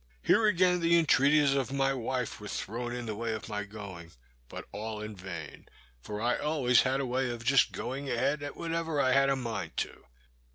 Here again the entreaties of my wife were thrown in the way of my going, but all in vain; for I always had a way of just going ahead, at whatever I had a mind to.